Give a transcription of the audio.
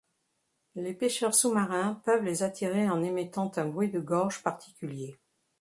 Les pêcheurs sous-marins peuvent les attirer en émettant un bruit de gorge particulier.